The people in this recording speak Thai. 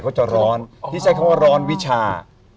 เขาจะร้อนที่ใช้คำว่าร้อนวิชา